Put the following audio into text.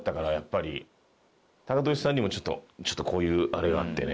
タカトシさんにもちょっと「ちょっとこういうあれがあってね